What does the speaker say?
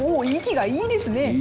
生きがいいですね。